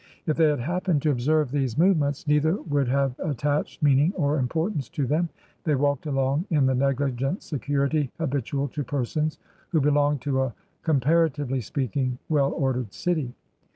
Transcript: If they had happened to observe these movements, neither would have attached meaning or importance to them; they walked along in the negligent security habitual to per sons who belong to a — comparatively speaking — well ordered city.